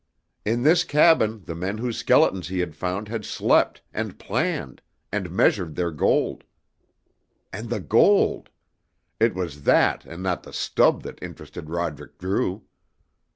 In this cabin the men whose skeletons he had found had slept, and planned, and measured their gold. And the gold! It was that and not the stub that interested Roderick Drew!